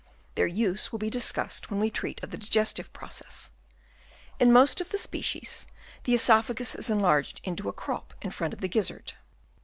Their use will be discussed when we treat of the digestive process. In most of the species, the oesophagus is enlarged into a crop in front of the gizzard.